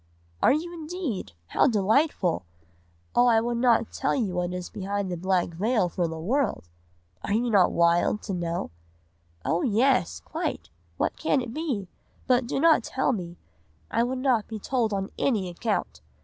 "'Are you indeed? How delightful! Oh, I would not tell you what is behind the black veil for the world! Are not you wild to know?' "'Oh yes, quite! what can it be? But do not tell me, I would not be told on any account.